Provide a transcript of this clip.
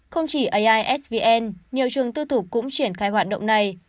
không chỉ aisvn nhiều trường tư thục cũng triển khai hoạt động này